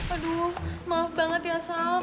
aduh maaf banget ya salm